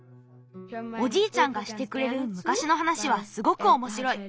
おじいちゃんがしてくれるむかしのはなしはすごくおもしろい。